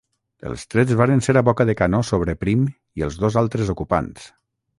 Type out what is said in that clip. Els trets varen ser a boca de canó sobre Prim i els dos altres ocupants.